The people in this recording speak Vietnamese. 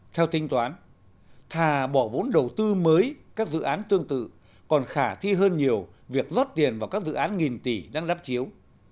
theo tính toán thà bỏ vốn đầu tư mới các dự án tương tự còn khả thi hơn nhiều việc rót tiền vào các dự án nghìn tỷ đang lắp chiếu